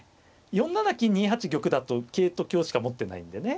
４七金２八玉だと桂と香しか持ってないんでね